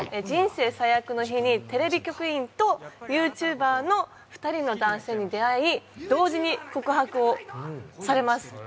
人生最悪の日にテレビ局員とユーチューバーの２人の男性に出会い同時に告白をされます。